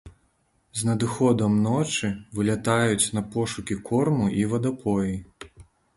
З надыходам ночы вылятаюць на пошукі корму і вадапоі.